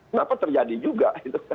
kenapa terjadi juga